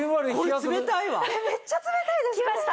めっちゃ冷たいです。来ました？